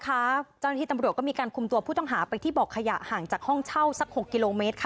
เจ้าหน้าที่ตำรวจก็มีการคุมตัวผู้ต้องหาไปที่บ่อขยะห่างจากห้องเช่าสัก๖กิโลเมตรค่ะ